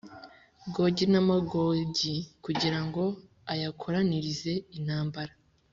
Gogi na Magogi kugira ngo ayakoranirize intambara,